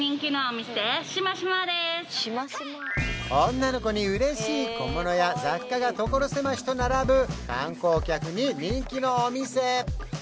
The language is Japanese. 女の子に嬉しい小物や雑貨が所狭しと並ぶ観光客に人気のお店